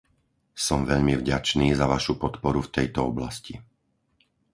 Som veľmi vďačný za vašu podporu v tejto oblasti.